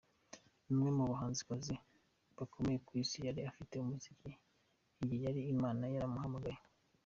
Ni umwe mu bahanzikazi bakomeye isi yari ifite muri iki gihe ariko Imana yaramuhamagaye!!.